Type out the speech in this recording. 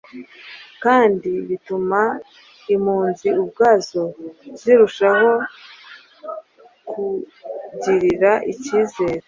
Kandi bituma n’impunzi ubwazo zirushaho kugirira ikizere